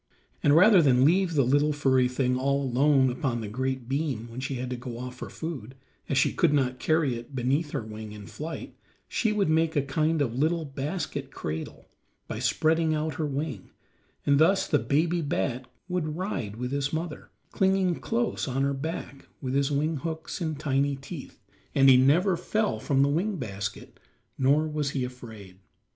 And rather than leave the little furry thing all alone upon the great beam when she had to go off for food, as she could not carry it beneath her wing in flight, she would make a kind of little basket cradle by spreading out her wing, and thus the baby bat would ride with his mother, clinging close to her back with his wing hooks and tiny teeth, and he never fell from the wing basket nor was he afraid.